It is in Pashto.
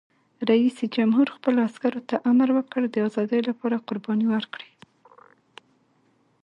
رئیس جمهور خپلو عسکرو ته امر وکړ؛ د ازادۍ لپاره قرباني ورکړئ!